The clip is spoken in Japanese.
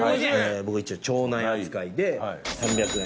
僕町内扱いで３００円。